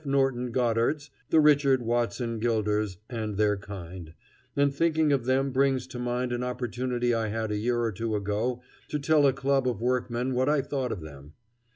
Norton Goddards, the Richard Watson Gilders, and their kind; and thinking of them brings to mind an opportunity I had a year or two ago to tell a club of workmen what I thought of them.